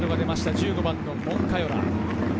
１５番のモンカヨラ。